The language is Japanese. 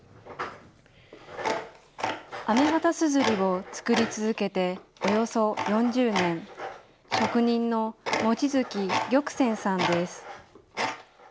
雨畑硯を作り続けておよそ４０年、職人の望月玉泉さんです。